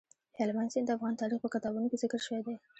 هلمند سیند د افغان تاریخ په کتابونو کې ذکر شوی دی.